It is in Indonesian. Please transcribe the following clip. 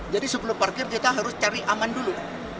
jadi sebelum parkir kita harus cari aman dulu